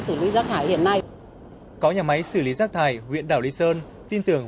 thì rõ ràng chuyện chấm dứt ô nhiễm rác thải trên đảo là rất khó giải quyết